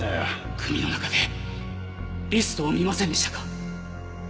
組の中でリストを見ませんでしたか？